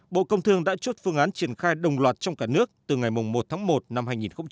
bộ công thương đã chốt phương án triển khai đồng loạt trong cả nước từ ngày một tháng một năm hai nghìn hai mươi